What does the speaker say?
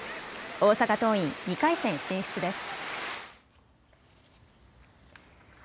大阪桐蔭２回戦進出です。